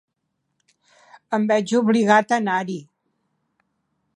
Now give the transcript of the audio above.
Em veig obligat a anar-hi.